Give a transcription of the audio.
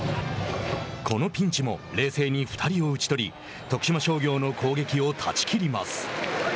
このピンチも冷静に２人を打ち取り徳島商業の攻撃を断ち切ります。